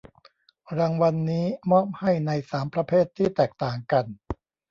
รางวัลนี้มอบให้ในสามประเภทที่แตกต่างกัน